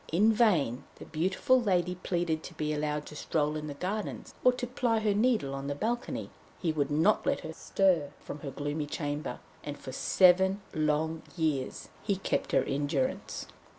In vain the beautiful lady pleaded to be allowed to stroll in the gardens, or to ply her needle on the balcony; he would not let her stir from her gloomy chamber, and for seven long years he kept her in durance.